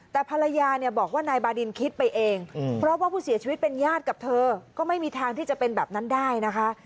แต่ภรรยาเนี่ยบอกว่านายบาดินคิดไปเองเพราะว่าผู้เสียชีวิตเป็นญาติกับเธอก็ไม่มีทางที่จะเป็นแบบนั้นได้นะคะ